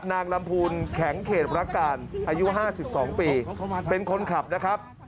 นางลำพูนแข็งเขตรักการอายุ๕๒ปีเป็นคนขับนะครับ